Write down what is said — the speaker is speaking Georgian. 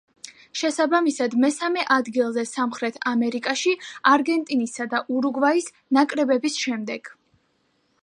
შესაბამისად მესამე ადგილზე სამხრეთ ამერიკაში, არგენტინისა და ურუგვაის ნაკრებების შემდეგ.